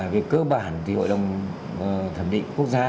về cơ bản thì hội đồng thẩm định quốc gia